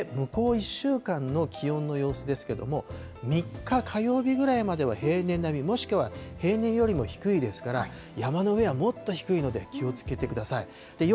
向こう１週間の気温の様子ですけれども、３日火曜日ぐらいまでは平年並みもしくは平年よりも低いですから、山の上はもっと低いので、気をつけてください。